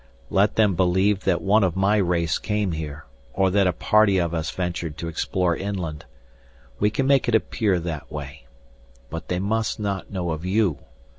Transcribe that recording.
"Let them believe that one of my race came here, or that a party of us ventured to explore inland. We can make it appear that way. But they must not know of you.